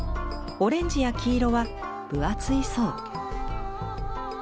オレンジや黄色は分厚い層。